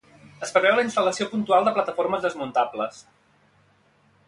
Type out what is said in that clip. Es preveu la instal·lació puntual de plataformes desmuntables.